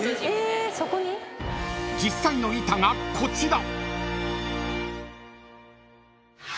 ［実際の板がこちら］